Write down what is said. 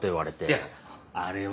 いやあれは。